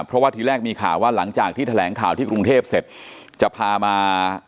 เพราะว่าทีแรกมีข่าวว่าหลังจากที่แถลงข่าวที่กรุงเทพเสร็จจะพามา